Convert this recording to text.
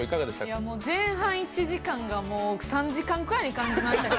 前半１時間が３時間ぐらいに感じました。